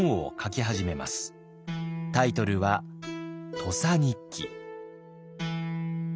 タイトルは「土佐日記」。